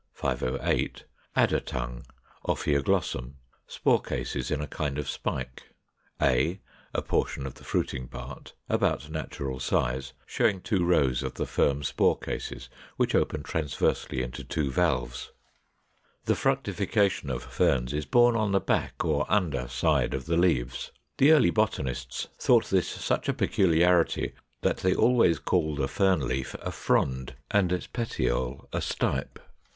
508. Adder tongue, Ophioglossum; spore cases in a kind of spike: a, a portion of the fruiting part, about natural size; showing two rows of the firm spore cases, which open transversely into two valves.] 487. The fructification of Ferns is borne on the back or under side of the leaves. The early botanists thought this such a peculiarity that they always called a Fern leaf a FROND, and its petiole a STIPE.